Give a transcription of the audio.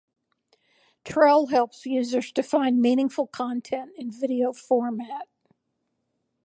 Trell helps users to find meaningful content in video format.